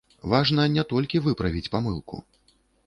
Важна не толькі выправіць памылку.